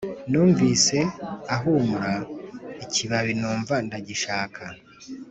numvise ahumura ikibabi numva ndagishaka